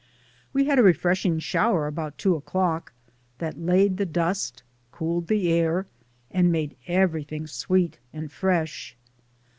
We had a refreshing shower about two o'clock, that laid the dust, cooled the air, and made everything sweet and fresh.